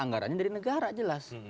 anggarannya dari negara jelas